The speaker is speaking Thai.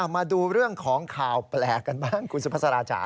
มาดูเรื่องของข่าวแปลกกันบ้างคุณสุภาษาจ๋า